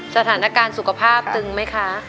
สถานการณ์สุขภาพตึงไหมคะ